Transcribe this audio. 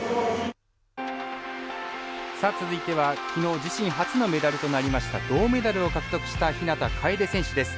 続いては、きのう自身初のメダルとなりました銅メダルを獲得した日向楓選手です。